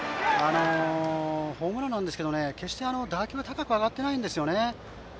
ホームランなんですけども決して打球は高く上がってないんですよね。